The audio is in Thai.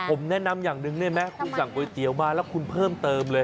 ผมแนะนำอย่างหนึ่งได้ไหมคุณสั่งก๋วยเตี๋ยวมาแล้วคุณเพิ่มเติมเลย